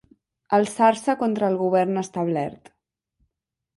Alçar-se contra el govern establert.